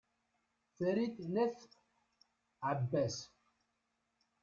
farid n at abbas